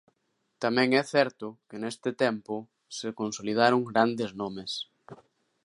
Tamén é certo que neste tempo se consolidaron grandes nomes.